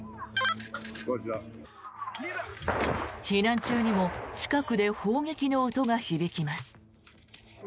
避難中にも近くで砲撃の音が響きます。